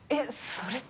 それって。